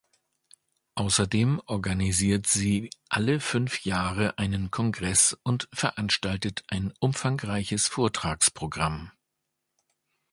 Außerdem organisiert sie alle fünf Jahre einen Kongress und veranstaltet ein umfangreiches Vortragsprogramm.